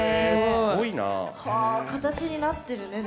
すごいなぁ。は形になってるね。